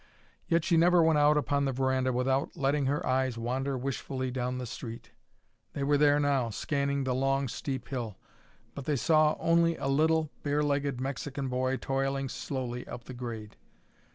Yet she never went out upon the veranda without letting her eyes wander wishfully down the street. They were there now, scanning the long, steep hill. But they saw only a little, bare legged Mexican boy toiling slowly up the grade.